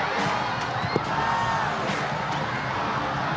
selamat musuh teman seni